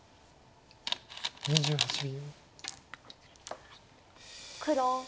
２８秒。